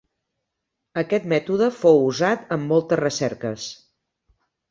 Aquest mètode fou usat en moltes recerques.